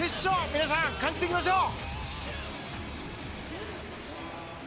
皆さん、感じていきましょう！